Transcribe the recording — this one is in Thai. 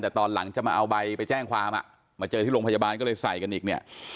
แต่ตอนหลังจะมาเอาใบไปแจ้งความมาเจอที่โรงพยาบาลก็เลยใส่กันอีกเนี่ย